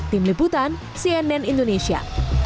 tim liputan cnn indonesia